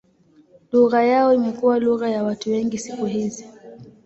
Lugha yao imekuwa lugha ya watu wengi siku hizi.